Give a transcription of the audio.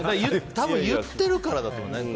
多分言ってるからだと思うよね。